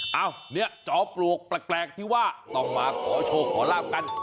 เอ้าเนี่ยจอมปลวกแปลกที่ว่าต้องมาขอโชคขอลาบกัน